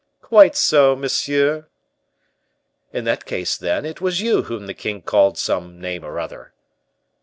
"Quite so, monsieur." "In that case, then, it was you whom the king called some name or other."